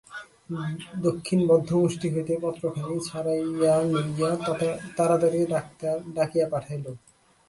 দক্ষিণ বদ্ধমুষ্টি হইতে পত্রখানি ছাড়াইয়া লইয়া তাড়াতাড়ি ডাক্তার ডাকিয়া পাঠাইল।